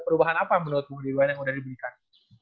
perubahan apa menurut bu widwan yang sudah diberikan